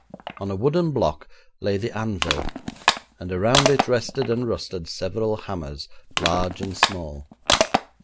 On a wooden block lay the anvil, and around it rested and rusted several hammers, large and small.